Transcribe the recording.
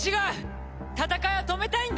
戦いを止めたいんだろ？